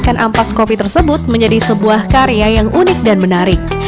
menggunakan ampas kopi tersebut menjadi sebuah karya yang unik dan menarik